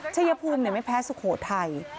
ชายภูมิไม่แพ้สุโขทัย